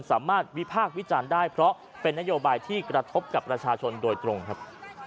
สามารถวิพากษ์วิจารณ์ได้เพราะเป็นนโยบายที่กระทบกับประชาชนโดยตรงครับ